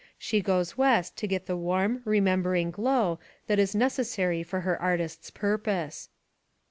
She goes West to get the warm, remembering glow that is necessary for her artist's purpose.